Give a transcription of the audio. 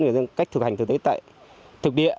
về cách thực hành thực tế tại thực địa